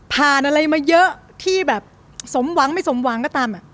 อะไรมาเยอะที่แบบสมหวังไม่สมหวังก็ตาม